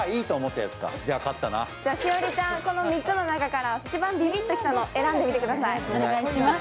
栞里ちゃん、この３つの中から一番ビビッときたのを選んでください。